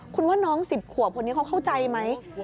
คุณว่าน้อง๑๐ขวบคนนี้เขาเข้าใจไหม